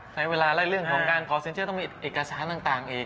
ใช้เวลาไล่เรื่องของการขอสินเชื่อต้องมีเอกสารต่างอีก